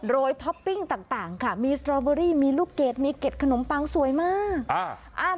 โดยท็อปปิ้งต่างค่ะมีสตรอเบอรี่มีลูกเกดมีเกร็ดขนมปังสวยมาก